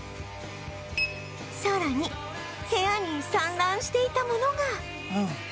さらに部屋に散乱していた物が